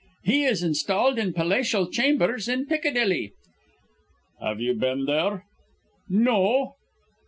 "He is installed in palatial chambers in Piccadilly." "Have you been there?" "No."